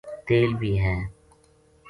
تیل بھی ہے۔